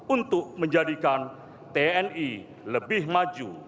untuk menjadikan tni lebih maju